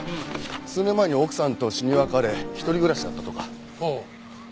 数年前に奥さんと死に別れ一人暮らしだったとか。